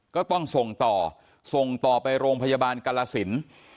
ก็ต้องส่งต่อส่งต่อไปโรงพยาบาลกรสิน